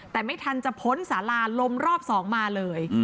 แต่ไม่ทันจะพ้นสาราลมรอบ๒มาเลย